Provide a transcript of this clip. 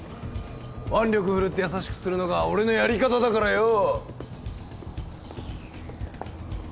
腕力振るって優しくするのが俺のやり方だからよう！